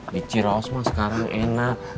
bicara osma sekarang enak